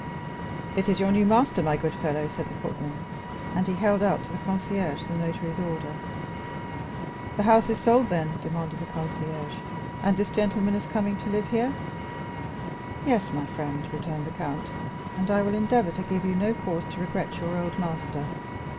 "It is your new master, my good fellow," said the footman. And he held out to the concierge the notary's order. "The house is sold, then?" demanded the concierge; "and this gentleman is coming to live here?" "Yes, my friend," returned the count; "and I will endeavor to give you no cause to regret your old master."